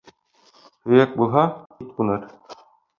Һөйәк булһа, ит ҡуныр.